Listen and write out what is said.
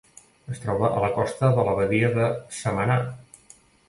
Es troba a la costa de la Badia de Samaná.